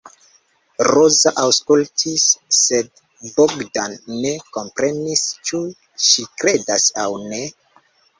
Roza aŭskultis, sed Bogdan ne komprenis ĉu ŝi kredas aŭ ne.